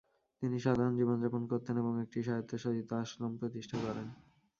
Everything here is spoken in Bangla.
তিনি সাধারণ জীবনযাপন করতেন এবং একটি স্বায়ত্তশাসিত আশ্রম প্রতিষ্ঠা করেন।